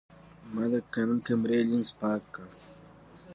ما د کانون کیمرې لینز پاک کړ.